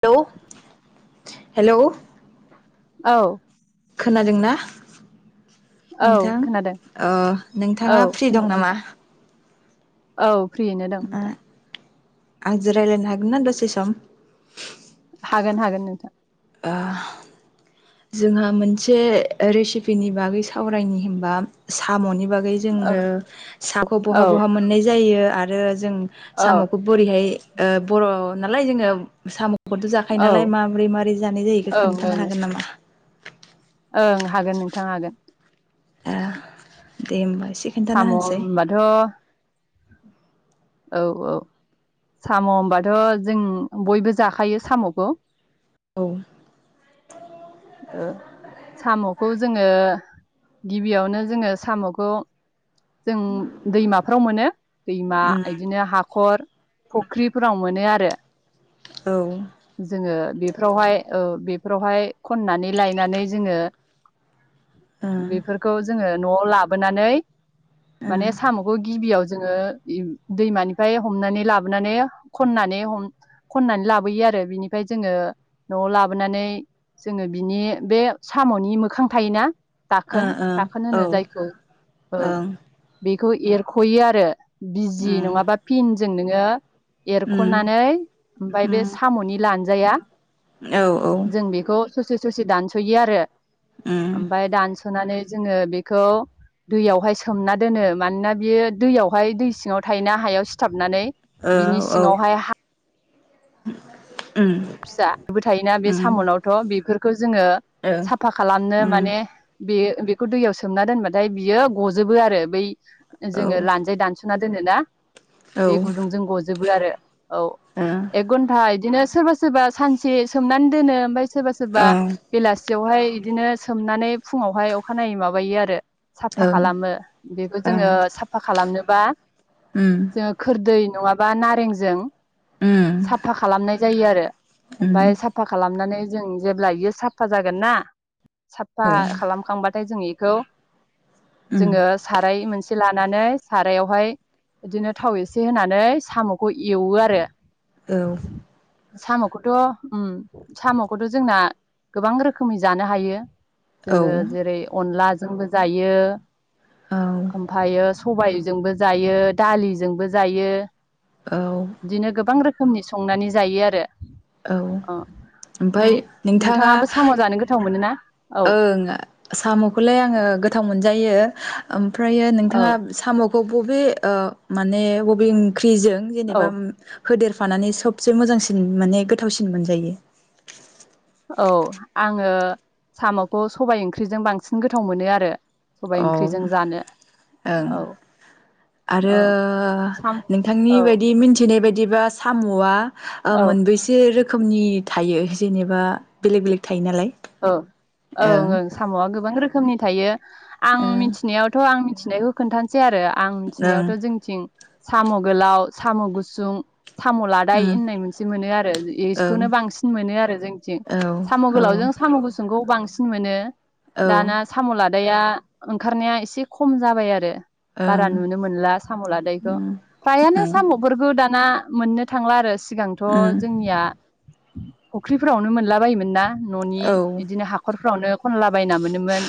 Hello hello औ खोनादोंना औ नोंथां खोनादों अह औ नोंथाङा फ्रि दं खोनादों नामा नोंथां औ फ्रियैनो ओ दं नोंथां आंजों रायज्लायनो हागोन ना दसे सम हागोन हागोन नोंथां बा जोंहा मोनसे रेसिपिनि बागै सावरायनि होमबा साम'नि बागै दायो औ जोङो हाखौ औ बहा बहा मोन्नाय जायो आरो जों औ साम'खौ बोरैहाय ओ बर' नालाय जोङो साम' खौथ' जाखायो ओं नालाय माबोरै माबोरै जानाय जायो बेखौ ओं खोन्थानो हागोन नामा ओं हागोन नोंथां हागोन ए दे होमबाय साम' होनबाथ' [inaudible] औ औ साम' होनबाथ' जों बयबो जाखायो साम'खौ औ साम'खौ जोङो गिबियावनो जोङो साम'खौ जों दैमाफ्राव मोनो दैमा उम बिदिनो हाखर फुख्रिफोराव मोनो आरो औ ओ जोङो बेफोरावहाय ओ बेफोरावहाय खननानै लायनानै जोङो बेफोरखौ जोङो न'आव लाबोनानै ओ माने साम'खौ गिबियाव जोङो दैमानिफ्राय हमनानै लाबोनानै खननानै ह खननानै लाबोयो आरो बिनिफ्राय जोङो न'आव लाबोनानै जोङो बिनि बे साम'नि मोखां थायोना ओ दाखोन दाखोन ओ औ होनो जाय ओं बेखौ एरख'यो आरो बि जि उम नङाबा फिनजों नोङो उम एरख'नानै ओमफ्राय बे उम साम'नि लानजाया औ औ जों बेखौ ससे ससे दानस'यो आरो उम ओमफाय दानस'नानै जोङो बेखौ दैयावहाय सोमना दोनो मानोना बियो दैयावहाय दै सिङाव थायोना हायाव सिथाबनानै औ बिनि औ सिङावहाय हा उम फिसाबो थायोना बे उम साम'नावथ' बेफोरखो जोङो ओ साफा खालामनो उम माने बे बेखौ दैयाव सोमना दोनबाथाय बियो गजोबो आरो बै जोङो लानजाय दानस'ना दोनोना बे गुदुंजों गजोबो आरो औ एक घन्टा इदिनो सोरबा सोरबा सानसे सोमनान दोनो ओमफाय सोरबा सोरबा औ ओ बेलासियावहाय इदिनो सोमनानै फुङावहाय अखानायै माबायो आरो साफा ओं खालामो बेखौ जोङो ओं साफा खालामनोबा ओं जोङो खोरदै नङाबा नारेंजों उम साफा खालामनाय जायो आरो उम ओमफाय साफा खालामनानै जों जेब्ला इयो साफा जागोन ना साफा औ खालामखांबाथाय जों इखौ उम जोङो साराय मोनसे लानानै सारायावहाय इदिनो थाव एसे होनानै साम'खौ एवो आरो औ साम' खौथ' उम साम'खौथ' जोंना गोबां रोखोमै जानो हायो औ जोङो औ जेरै अनलाजोंबो जायो ओमफायो सबायजोंबो जायो दालिजोंबो जायो औ इदिनो गोबां रोखोमनि संनानै जायो आरो औ अ' नों ओमफाय नोंथाङाबो नोंथाङा साम' जानो गोथाव मोनोना ओं [unintelligible] साम'खौलाय आङो गोथाव मोनजायो ओम फ्रायो औ नोंथाङा [unintelligible] साम'खौ बबे ओ माने बबे ओं ख्रिजों औ जेनेबा उम होदेर फानानै सबसे मोजांसिन माने गोथावसिन मोनजायो औ आङो साम'खौ सबाय ओंख्रिजों बांसिन गोथाव मोनो आरो सबाय ओम ओंख्रिजों जानो ओं औ औ आरो साम नोंथांनि औ बायदि मिथिनाय बायदि एबा साम'आ ओ औ मोनबैसे रो खोमनि थायो जेनेबा बेलेक बेलेक थायो नालाय ओ' ओं ओं साम'आ गोबां रोखो खोमनि थायो आं ओं मिथिनायावथ' आं [inaudible] नायखौ खोनथान सै आरो आं ओं मिथिनायावथ' जोंनिथिं साम' गोलाव साम' गुसुं साम' लादाइ उम होननाय मोनसे मोनो आरो ओं औ इखौनो बांसिन मोनो आरो जोंथिं साम' गोलाव जों गुसुंखौ बांसिन मोनो औ ओं दाना साम' लाद दाया ओंखारनाया एसे खम जाबाय आरो बारा नुनो मोनला साम' लादायखौ फ्रायानो साम'फोरखौ दा ना मोननो थांला आरो । उम सिगांथ' जोंनिया फ'ख्रिफोरावनो मोनला बायोमोनना न' औ इदिनो हाखर फ्रावनो खनला बायना मोनोमोन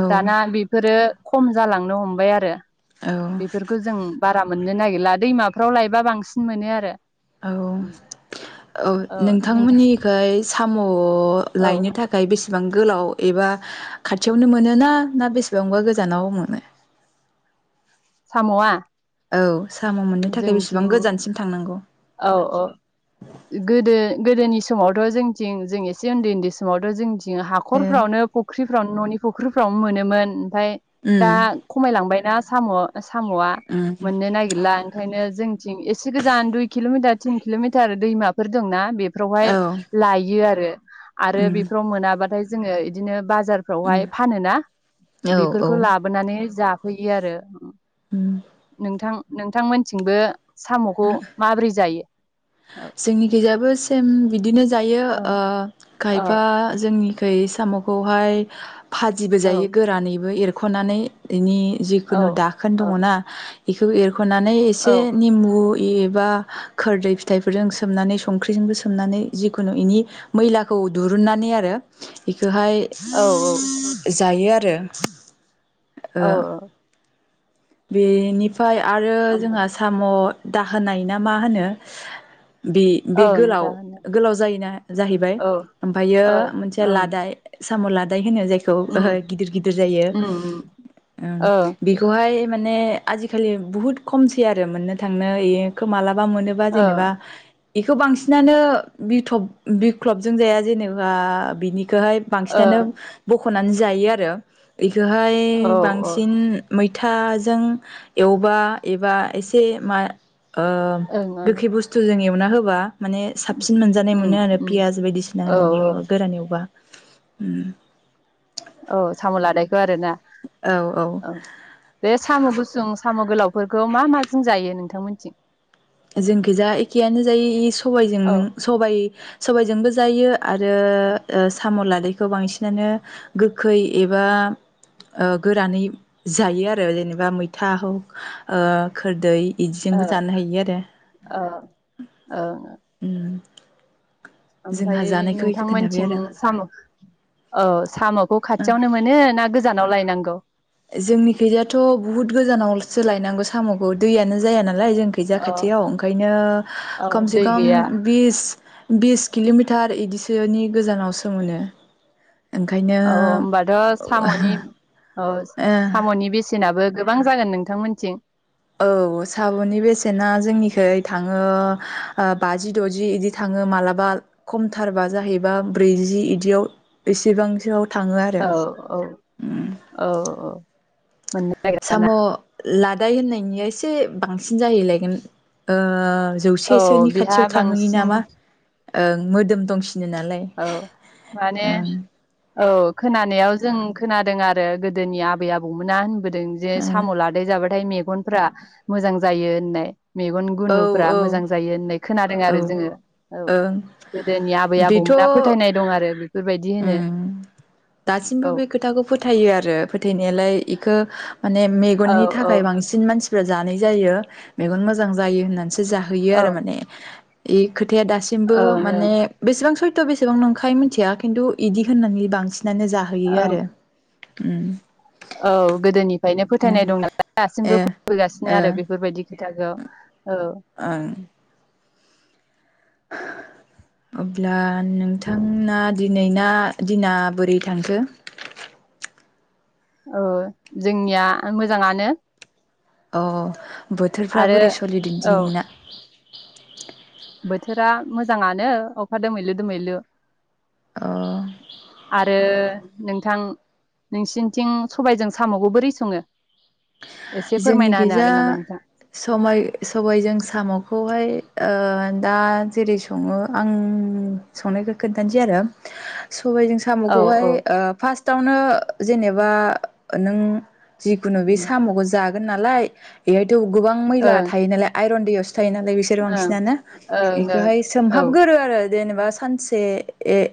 औ दाना बेफोरो खम जालांनो हमबाय आरो। औ बेफोरखौ जों बारा मोननो नागिरला दैमाफ्राव लायबा बांसिन मोनो आरो। औ औ नोंथांमोननिखै सामु उ औ लायनो थाखाय बेसेबां गोलाव एबा खाथियावनो मोनो ना ना बेसेबांबा गोजानाव मोनो? साम'आ औ साम' मोननो थाखाय बेसेबां जोंथिं गोजानसिम थांनांगौ? औ औ गोदो गोदोनि समावथ' जोंथिं जों एसे उन्दै उन्दै समावथ' जों थिं ए हाख'रफ्रावनो फख्रि फ्रावनो न'नि फुख्रिफ्रावनो मोनोमोन ओमफाय दा उम खमायलांबायना। साम' साम'आ उम मोननो नागिरला ओंखायनो जोंथिं एस से गोजान दुइ किल'मिटार तिन किल'मिटार दैमाफोर दंना बे फ्रावहाय औ लायो आरो। आरो उम बेफोराव मोनाबाथाय जोङो इदिनो बाज जारफ्रावहाय फानोना औ औ बेफोरखौ लाबोनानै जा फैयो आरो। उम नोंथां नोंथांमोनथिंबो साम'खौ माबोरै जायो? औ जोंनि खिजाबो सेम बिदिनो जायो ओ औ खायफा औ जोंनि खै साम'खौहाय भाजिबो औ जायो गोरानैबो एर ख'नानै इनि जिखुनु औ दाखोन औ दङना इखौ एर खुनानै औ एसे निम्बु एबा खोरदै फिथाइफोरजों सोमनानै संख्रिजोंबो सोमनानै जिखुनु इनि मैलाखौ दिरुननानै आरो बेखोहाय औ जायो आरो । [unintelligible] औ औ । बेनि फाय आरो ओमफ्राय जोंहा साम' दाहोनाय ना मा होनो? बे बे ओं गोलाव दा होनो गोलाव जायोना जाहैबाय औ ओमफ्रायो ओ मोनसे ओं लादाय । साम लादाय । होनो जायखौ उम ओहो गिदिर गिदिर जायो उम उम ओं ओ बेखौहाय माने आजिखालि बहुद खमसै आरो मोननो थांनो इखो मालाबा बा मोनोबा ओ जेनेबा बेखौ बांसिनानो बिथब बिख्लबजों जाया जेनेबा बिनि खो हाय बांसिनानो बख ख'नानै जायो आरो । खौहाय ओ औ बांसिन मैथा जों एवबा एबा एसे मा ओ ओं ओं गोखै बुस्थु जों ए ना होबा माने साबसिन मोनजानाय उम मोनो आरो उम पियास बायदिसिना औ होनानै एवबा गोरान एवबा । उम्म । औ साम लादाय । खोरोना औ बे साम' गुसु जों साम' गोलावफोरखौ मा मा जों जायो नोंथांमोनथिं? जोंखि जा एखेयानो जायो इ सबजों औ सबायजोंबो जायो । आरो साम' लादायखौ बांसिनानो गोखै एबा गोरानै जायो आरो जेनेबा मैथा हक ओ खोरदै बिदिजोंबो जानो हायो आरो अ-अ उम ओमफ्राय नोंथांमोनथिं साम' औ। साम'खौ खाथियावनो मोनो ना। गोजानाव लायनांगौ। जोंनि खैजायथ' बुहुत गोजानाव। सोलायनांगौ साम'खौ दैयानो जाया ना। लाय जों खैजा अ खाथियाव ओंखायनो औ खोमसे दै खोम गैया बिस बिस किल'मिटार इदिसोनि गोजानावसो मोनो। ओंखायनो औ-औ होमबाथ' साम'नि। अ ओ साम'नि बेसेनाबो। गोबां जागोन नोंथांमोनथिं। औ साम'नि बेसेना जोंनिखै थाङो ओ बाजि द'जि इदि थाङो मालाबा खमथारबा जाहैबा ब्रैजि इदियाव एसेबांसोआव। थाङो आरो औ-औ-औ-औ। साम' लाद दाय होननायनिया एसे बांसिन जाहैलायगोन ओ। औ जौसेसोनि बेहा खाथियाव थांहोयो बांसिन नामा। ओं मोदोम दंसि औ माने औ खोनानायाव जों। खोनादों आरो गोदोनि आबै आबौमोना होनबो जों जे ओं साम' लादाय जाबा फ्राय मेगनफ्रा मोजां जायो होननाय। मेगन औ गुनुफ्रा औ मोजां जायो होननाय खोनादों आरो जोङो औ औ ओं गोदोनि आबै बेथ' आबौमोन दा फोथायनाय दं आरो। बेफोरबायदि होनो उम दासिमबो औ बे खोथाखौ फोथायो आरो फोथायनायालाय इखो। माने औ मेगननि औ थाखाय बांसिन मानसि। जानाय जायो मेगन मोजां जायो होन जाहोयो औ आरो ओं माने। ए खोथ थाया दासिमबो ओं माने बेसेबां सय थ बेसेबां नंखाय मिनथिया खिन्थु इदि होननानै बांसिन नानो जाहोयो ओं आरो उम औ गोदोनि ओंखायनो फोथायनाय दं नालाय दासिमबो ओ फोथायबोगासिनो आरो बेफोरबायदि- मिथागोआव- आं अब्ला- नोंथांमोना दिनै- ना दिना बोरै थांखो- औ जोंनिया मोजाङानो- अह बोथोरफ्रा आरो बोरै सोलिदों औ दिनै ना- बोथोरा मोजांआनो अखा दोमैलु दोमैलु। अ आरो- नोंथां नोंसिनिथिं सबायजों साम'खौ बोरै स'ङो एसे फोरमायना होनो जोंनिखैजा हागोन नामा नोंथां सबाय-सबायजों साम'खौहाय- ओ दा जेरै स'ङो आं संनायखौ खोन्थानोसै आरो- सबायजों औ साम'खौहाय औ ओ फार्स्ट- फार्स्टावनो ओ जेनेबा ओ नों- जिखुनु बिस- उम गावबो जागोन नालाय इहाय- थेव गोबां मैला ओं थायो नालाय आइर'न दैयाव- थायो नालाय बिसोरो ओं बांसिनानो ओं ओं बेखौहाय औ सोमहाबगोरो आरो- जेनेबा सानसे एह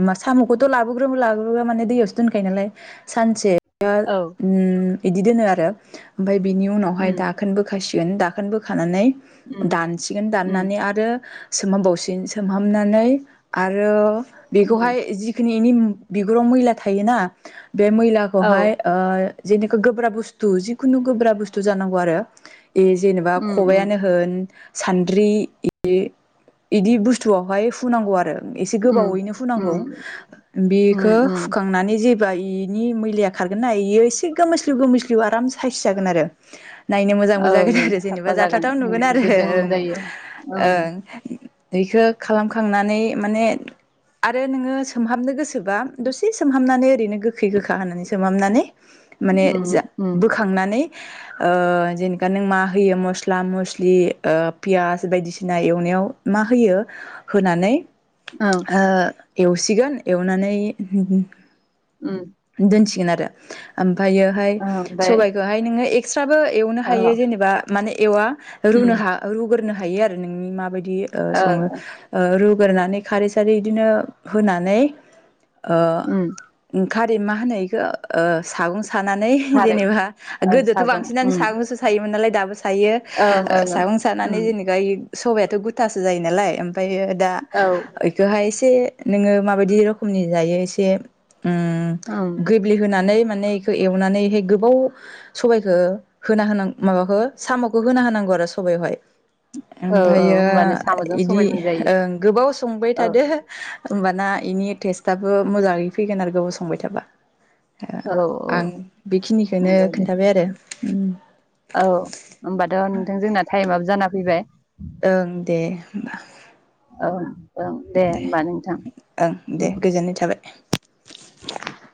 ओमा साम'खौथ' लाबोग्रोब्लाबो माने दैयावसो दोनखायो नालाय सानसे- इया औ ओं इद- इदिनोआ- हो ओमफ्राय- बिनि उनावहाय उम दाखोनबोखासि- गोन दाखोनबोखानानै- उम दानसिगोन उम दाननानै आरो सोमहामबावसिन सोमहाबनानै आरो- उम बिखौहाय जिखिनि- बिनि उम बिगुराव मैला थायोना- बे औ मैलाखौहाय ओ- जे बिखो गोब्राब बुस्थु- -खु जिखुनु गोब्राब बुस्थु जानांगौ आरो- इ जेनेबा उम उम खबायानो होन- सान्द्रि बिदि बुस्थुआवहाय फुनांगौ आरो। एसे उम गोबावैनो उम फुनांगौ बेखौ उम उम फुखांनानै जे बिनि मैलाया खारगोन ना बेयो एसे गोमोलिु गो जिउ आराम सायस जागोन आरो। नायनो मोजांबो जागोन ओं ओं आरो जेनेबा साफा जागोन जाथावाथाव उम नुगोन आरो, गोजों ओं जायो ओं। बेखौ खालामखांनानै माने आरो नोङो सोमहाबनो गोसो एबा दसे सोमहाबनानै ओरैनो गोखै गोखा होनानै सोमहाबनानै माने उम जा उम बोखांनानै जेनेबा नों मा होयो मस्ला मस्लि पियास बायदिसिना एवनायाव मा होयो होनानै। ओं ओ एवसिगोन एवनानै उम ओं दोनसिगोन आरो ओमफ्रायोहाय ओमफ्राय सबाइखौहाय नोङो एक्सट्राबो एवनो ओ हायो जेनेबा माने एवा उम रुनो ह रुग्रोनो ह हायो आरो नोंनि मा बायदि बेयो ओ सोमो ओ रु गोरोनानै खारै सारै बिदिनो होनानै ओ उम खारि मा होनो बेखौ सागं सानानै खारै जेनेबा ओ गोदोथ' सागं बांसिनानो उम सागंसो सायोमोन नालाय दाबो। सायो ओं ओं ओं सागं सानानै उम जेनेबा सबायाथ' गुथासो जायोन नालाय ओमफ्रायो दा औ बेखौहाय एसे नोङो माबायदि रोखमनि जायो एसे उम गोब्लिहोनानै माने एवनानैहाय गोबाव सबबायखौ होना होन माबाखौ साम'खौ होना होनांगौ आरो सबहाय। औ ओमफ्रायो होमबानो साम'जों बिदि सबायजों जायो गोबाव संबाय औ थादो। होमबाना बेनि टेस्टआबो मोजाङै फैगोन आरो गोबाव संबाय थ। जाबा औ आं औ बेखिनिखौनो नंगौ दे खोन्थाबाय आरो। उम औ होमबाथ' नोंथां जोंना टाइम आ जाना फैबाय ओं दे होमबा औ-औ दे होमबा नोंथां। ओं दे गोजोननाय [inaudible]